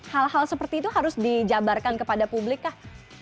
hal hal seperti itu harus dijabarkan kepada publik kah